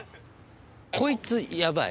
こいつやばい。